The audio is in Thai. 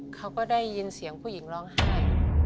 เขาก็ได้ยินเสียงผู้หญิงร้องไห้